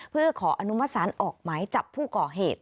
เพื่อขออนุมัติศาลออกหมายจับผู้ก่อเหตุ